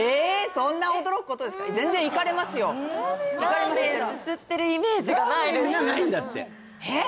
そんな驚くことですか全然行かれますよ行かれますラーメンがないんだってえっ？